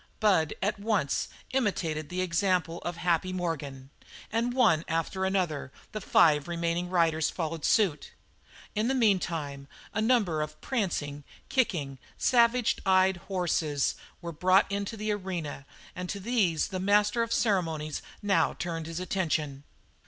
'" Bud at once imitated the example of Happy Morgan, and one after another the five remaining riders followed suit. In the meantime a number of prancing, kicking, savage eyed horses were brought into the arena and to these the master of ceremonies now turned his attention.